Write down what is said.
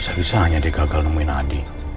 saya bisa hanya dia gagal nemuin ade